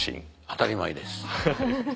当たり前です。